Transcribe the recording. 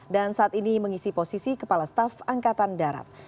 dan saat ini mengisi posisi kepala staf angkatan darat